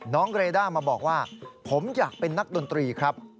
เรด้ามาบอกว่าผมอยากเป็นนักดนตรีครับ